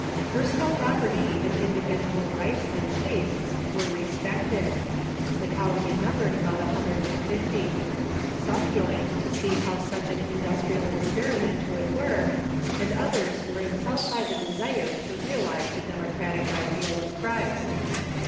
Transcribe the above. Personal property and individual rights and tastes were respected. The colony numbered about one hundred and fifty. Some joined to see how such an industrial experiment would work, and others were impelled by the desire to realize the democratic ideal of Christ.